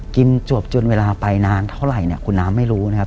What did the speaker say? จวบจนเวลาไปนานเท่าไหร่เนี่ยคุณน้ำไม่รู้นะครับ